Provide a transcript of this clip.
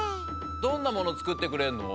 どんなものつくってくれるの？